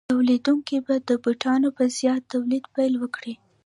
تولیدونکي به د بوټانو په زیات تولید پیل وکړي